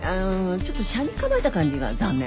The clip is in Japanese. ちょっと斜に構えた感じが残念。